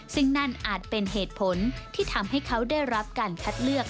ซึ่งนั่นอาจเป็นเหตุผลที่ทำให้เขาได้รับการคัดเลือก